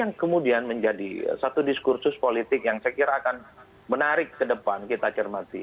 yang kemudian menjadi satu diskursus politik yang saya kira akan menarik ke depan kita cermati